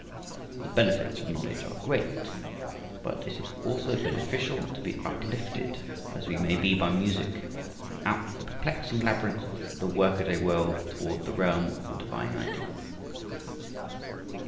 The benefits of knowledge are great, but it is also beneficial to be uplifted, as we may be by music, from out the perplexing labyrinth of the work a day world toward the realm of the Divine Ideal.